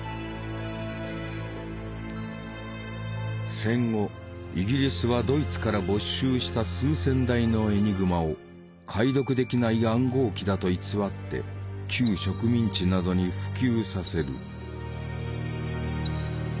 戦後イギリスはドイツから没収した数千台のエニグマを解読できない暗号機だと偽って旧植民地などに普及させる。